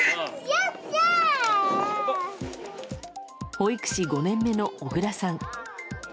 保育士５年目の小倉さん。